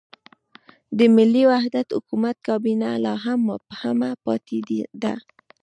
د ملي وحدت حکومت کابینه لا هم مبهمه پاتې ده.